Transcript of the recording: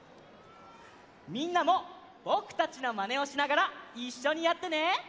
みんなもぼくたちのまねをしながらいっしょにやってね！